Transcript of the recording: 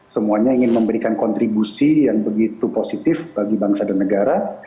semuanya ingin memberikan kontribusi yang begitu positif bagi bangsa dan negara